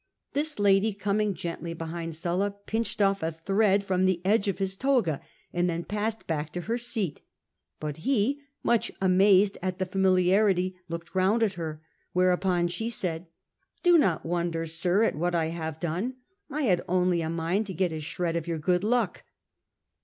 This lady, coming gently behind Sulla, pinched off a thread from the edge of his toga, and then passed back to her seat. But he, much amazed at the familiarity, looked round at her, whereupon she said, ' Do not wonder, sir, at what I have done ; I had only a mind to get a shred of your good luck.